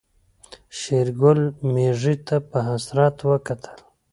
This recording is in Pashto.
شېرګل ميږې ته په حسرت وکتل.